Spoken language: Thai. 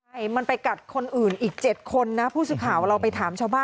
ใครมันไปกัดคนอื่นอีกเจ็ดคนนะเพื่อช่วยข่าวเราไปถามชาวบ้าน